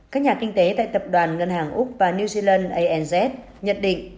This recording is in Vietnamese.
các nhà kinh tế tại tập đoàn ngân hàng úc và new zealand anz nhận định